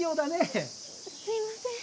すいません。